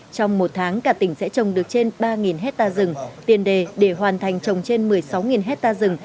trong một tháng cả tỉnh sẽ trồng được trên ba hectare rừng tiền đề để hoàn thành trồng trên một mươi sáu hectare rừng